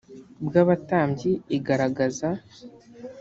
bw abatambyi igaragaza